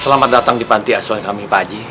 selamat datang di panti asuhan kami pak haji